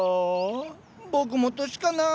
僕も年かなあ。